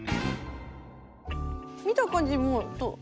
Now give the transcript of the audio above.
見た感じ